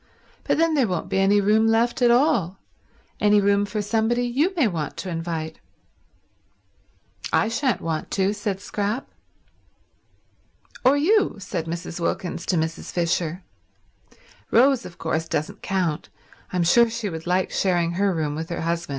But then there won't be any room left at all— any room for somebody you may want to invite." "I shan't want to," said Scrap. "Or you," said Mrs. Wilkins to Mrs. Fisher. "Rose, of course, doesn't count. I'm sure she would like sharing her room with her husband.